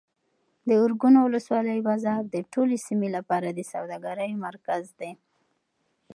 د ارګون ولسوالۍ بازار د ټولې سیمې لپاره د سوداګرۍ مرکز دی.